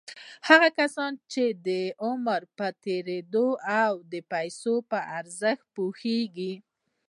هغه کسان چې د عمر په تېرېدو د پيسو په ارزښت پوهېږي.